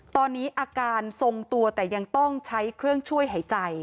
ตอนนี้อาการทรงตัวแต่ยังต้องใช้เครื่องช่วยหายใจ